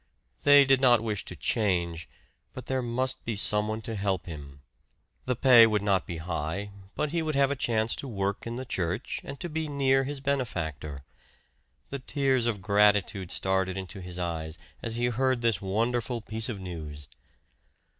They did not wish to change, but there must be some one to help him. The pay would not be high; but he would have a chance to work in the church, and to be near his benefactor. The tears of gratitude started into his eyes as he heard this wonderful piece of news.